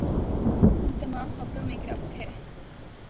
ان تمام خبروں میں ایک ربط ہے۔